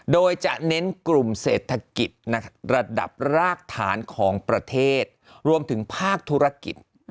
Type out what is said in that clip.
โดยจะเน้นกลุ่มเศรษฐกิจระดับรากฐานของประเทศรวมถึงภาคธุรกิจ